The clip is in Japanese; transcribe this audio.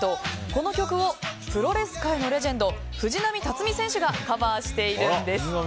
この曲をプロレス界のレジェンド藤波辰爾選手がカバーしているんです。